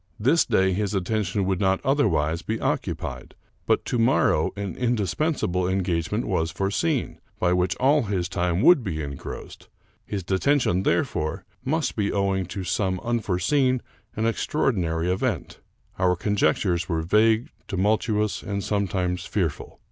This day his attention would not otherwise be occupied ; but to morrow an indispensable en gagement was foreseen, by which all his time would be engrossed ; his detention, therefore, must be owing to some unforeseen and extraordinary event. Our conjectures were vague, tumultuous, and sometimes fearful.